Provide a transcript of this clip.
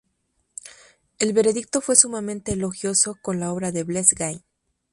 El veredicto fue sumamente elogioso con la obra de Blest Gana.